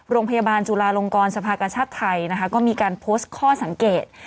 โรงพยาบาลจุลาลงกรสภากชาติไทยนะคะก็มีการโพสต์ข้อสังเกต